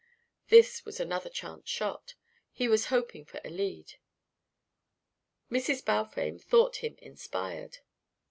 This was another chance shot. He was hoping for a "lead." Mrs. Balfame thought him inspired.